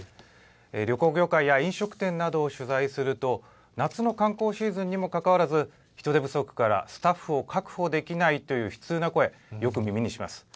旅行業界や飲食店などを取材すると、夏の観光シーズンにもかかわらず、人手不足からスタッフを確保できないという悲痛な声、よく耳にします。